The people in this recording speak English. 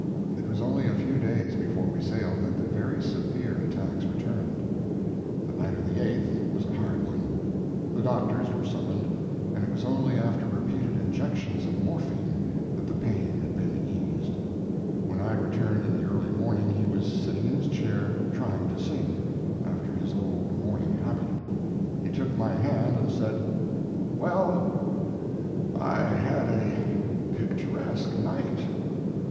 It was only a few days before we sailed that the very severe attacks returned. The night of the 8th was a hard one. The doctors were summoned, and it was only after repeated injections of morphine that the pain had been eased. When I returned in the early morning he was sitting in his chair trying to sing, after his old morning habit. He took my hand and said: "Well, I had a picturesque night.